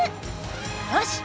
よし！